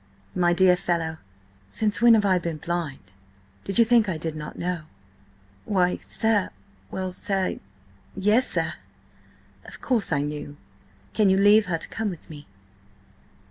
"My dear fellow, since when have I been blind? Did you think I did not know?" "Why, sir–well, sir–yes, sir!" "Of course I knew! Can you leave her to come with me?"